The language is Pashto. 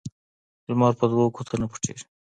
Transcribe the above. لمرپه دوو ګوتو نه پټيږي